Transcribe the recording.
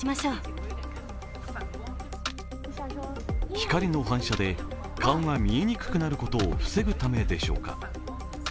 光の反射で顔が見えにくくなることを防ぐためでしょうか。